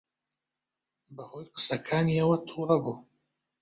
بەهۆی قسەکانیەوە تووڕە بوو.